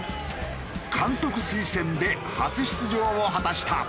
監督推薦で初出場を果たした。